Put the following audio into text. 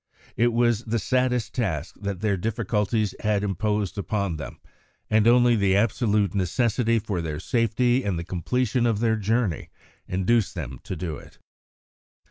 It was the saddest task that their difficulties had imposed upon them, and only the absolute necessity for their safety and the completion of their journey induced them to do it.